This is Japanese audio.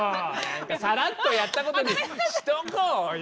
サラッとやったことにしとこうよ！